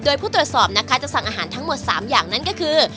โดยผู้ตรวจสอบนะคะจะสั่งอาหารทั้งหมด๓อย่างนั้นก็คือ